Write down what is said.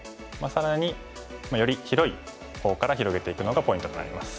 更により広い方から広げていくのがポイントとなります。